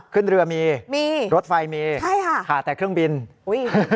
ขึ้นเรือมีมีรถไฟมีใช่ค่ะขาดแต่เครื่องบินอุ้ย